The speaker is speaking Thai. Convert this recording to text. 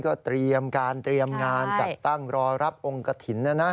ก็เตรียมการเตรียมงานจัดตั้งรอรับองค์กระถิ่นนะนะ